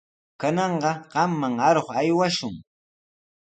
Kananqa qamman aruq aywashun.